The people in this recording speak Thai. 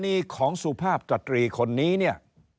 กรณีของสุภาพตัดตรีคนนี้